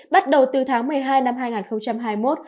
bắt đầu từ tháng một mươi hai năm hai nghìn hai mươi một